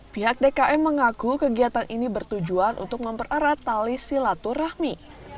pihak dkm mengaku kegiatan ini bertujuan untuk mempererat tali silaturahmi